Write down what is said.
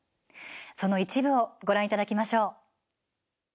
その一部をご覧いただきましょう。